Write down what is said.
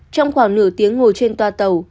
trong khoảng nửa tiếng ngồi trên toa tàu